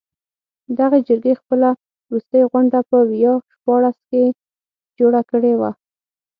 دغې جرګې خپله وروستۍ غونډه په ویا شپاړس کې جوړه کړې وه.